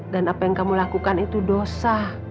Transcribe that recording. dan apa yang kamu lakukan itu dosa